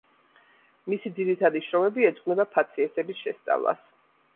მისი ძირითადი შრომები ეძღვნება ფაციესების შესწავლას.